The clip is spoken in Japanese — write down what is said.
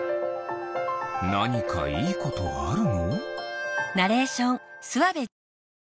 なにかいいことあるの？